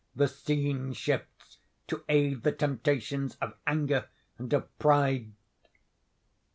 The scene shifts to aid the temptations of Anger and of Pride....